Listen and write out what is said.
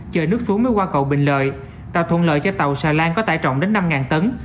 cầu bình lợi tàu thuận lợi cho tàu xà lan có tải trọng đến năm tấn